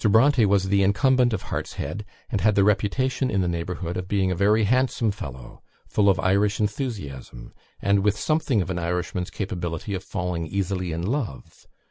Bronte was the incumbent of Hartshead; and had the reputation in the neighbourhood of being a very handsome fellow, full of Irish enthusiasm, and with something of an Irishman's capability of falling easily in love.